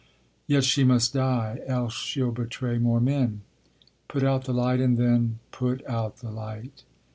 Yet she must die, else she'll betray more men. Put out the light, and then put out the light!